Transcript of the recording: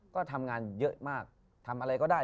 ก็ทำงานเยอะมากทำอะไรก็ได้